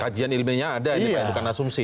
kajian ilmiahnya ada ini pak bukan asumsi ya